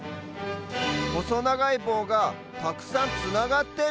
ほそながいぼうがたくさんつながってる？